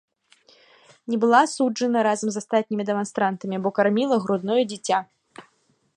Не была асуджана разам з астатнімі дэманстрантамі, бо карміла грудное дзіця.